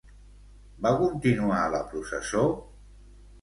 Va continuar la processó?